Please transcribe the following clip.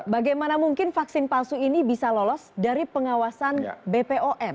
bagaimana mungkin vaksin palsu ini bisa lolos dari pengawasan bpom